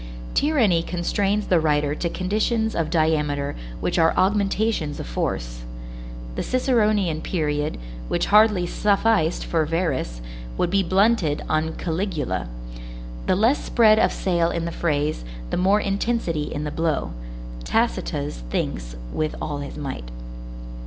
Tyranny constrains the writer to conditions of diameter which are augmentations of force. The Ciceronian period, which hardly sufficed for Verres, would be blunted on Caligula. The less spread of sail in the phrase, the more intensity in the blow. Tacitus thinks with all his might.